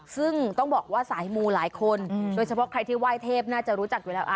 ซึ่งต้องบอกว่าสายมูหลายคนโดยเฉพาะใครที่ไหว้เทพน่าจะรู้จักอยู่แล้ว